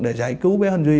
để giải cứu bé hân duy